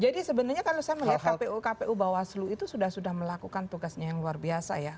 jadi sebenarnya kalau saya melihat kpu kpu bawaslu itu sudah sudah melakukan tugasnya yang luar biasa ya